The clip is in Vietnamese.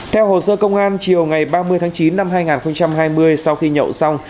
theo hồ sơ công an chiều ngày ba mươi tháng chín năm hai nghìn hai mươi sau khi nhậu xong